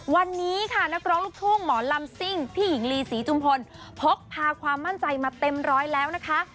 วันนี้ค่ะนักร้องลูกทุ่งหมอลำซิ่งพี่หญิงลีศรีจุมพลพกพาความมั่นใจมาเต็มร้อยแล้วนะคะ